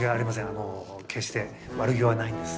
あの決して悪気はないんです。